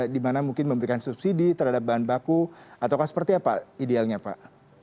di mana mungkin memberikan subsidi terhadap bahan baku atau seperti apa idealnya pak